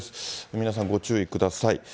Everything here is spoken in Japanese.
皆さん、ご注意ください。